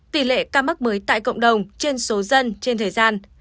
tỷ lệ ca mắc mới tại cộng đồng trên số dân trên thời gian